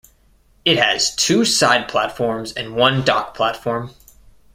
It has two side platforms and one dock platform.